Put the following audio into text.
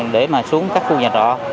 để mà xuống các khu nhà trọ